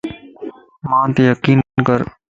مانتَ يقين ڪر